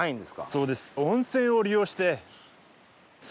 そうです。